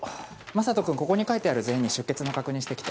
眞人君ここに書いてある全員に出欠の確認してきて。